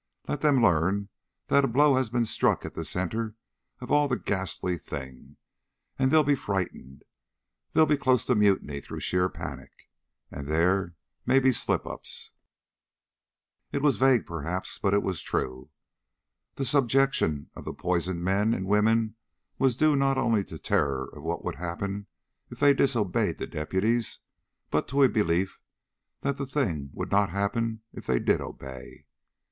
Let them learn that a blow has been struck at the center of all the ghastly thing, and they'll be frightened. They'll be close to mutiny through sheer panic. And there may be slip ups." It was vague, perhaps, but it was true. The subjection of the poisoned men and women was due not only to terror of what would happen if they disobeyed the deputies, but to a belief that that thing would not happen if they did obey.